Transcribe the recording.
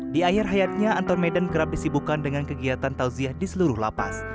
di akhir hayatnya anton medan kerap disibukan dengan kegiatan tauziah di seluruh lapas